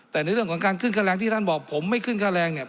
แต่ในเรื่องของการขึ้นค่าแรงที่ท่านบอกผมไม่ขึ้นค่าแรงเนี่ย